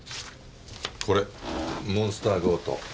これモンスター強盗。